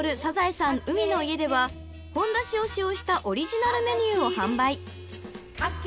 ［ほんだしを使用したオリジナルメニューを販売］